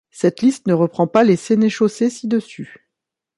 Cette liste ne reprend pas les sénéchaussées ci-dessus.